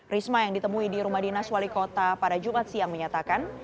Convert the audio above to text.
risma yang ditemui di rumah dinas wali kota pada jumat siang menyatakan